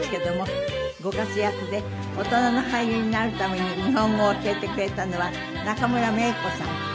ご活躍で大人の俳優になるために日本語を教えてくれたのは中村メイコさん。